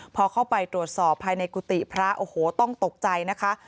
พอเข้าไปตรวจสอบภายในกุฏิพระโอ้โหต้องตกใจนะคะ